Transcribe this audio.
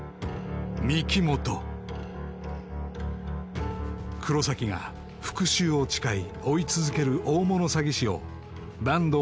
御木本黒崎が復讐を誓い追い続ける大物詐欺師を坂東